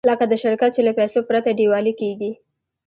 لکه د شرکت چې له پیسو پرته ډیوالي کېږي.